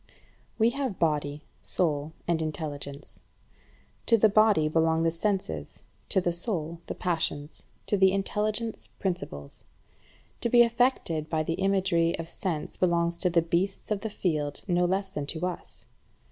16. We have body, soul, and intelligence. To the body belong the senses, to the soul the passions, to the intelligence principles. To be affected by the imagery of sense belongs to the beasts of the field no less than to us.